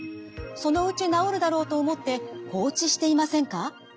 そのうち治るだろうと思って放置していませんか？